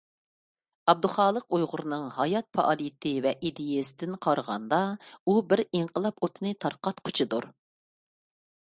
ئابدۇخالىق ئۇيغۇرنىڭ ھايات پائالىيىتى ۋە ئىدىيەسىدىن قارىغاندا، ئۇ بىر ئىنقىلاب ئوتىنى تارقاتقۇچىدۇر.